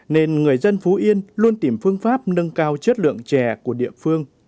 nên người dân phú yên luôn tìm phương pháp nâng cao chất lượng chè của địa phương